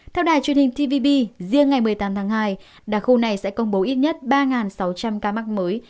theo đài truyền hình tpbb riêng ngày một mươi tám tháng hai đặc khu này sẽ công bố ít nhất ba sáu trăm linh ca mắc mới